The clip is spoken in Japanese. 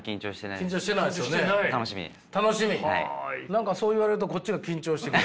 何かそう言われるとこっちが緊張してくる。